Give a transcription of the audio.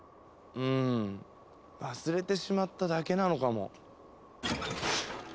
うん忘れてしまっただけなのかも。